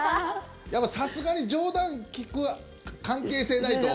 さすがに冗談利く関係性ないと。